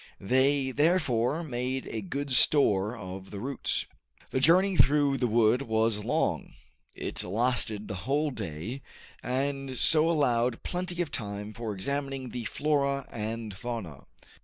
They therefore made a good store of the roots. The journey through the wood was long; it lasted the whole day, and so allowed plenty of time for examining the flora and fauna.